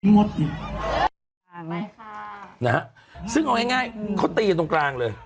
ฟังไหมค่ะนะฮะซึ่งเอาง่ายเขาตีตรงกลางเลย